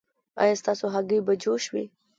ایا ستاسو هګۍ به جوش وي؟